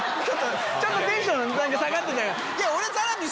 ちょっとテンション下がってたから。